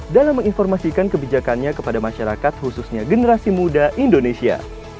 dalam menginformasikan kebijakannya kepada masyarakat khususnya generasi muda indonesia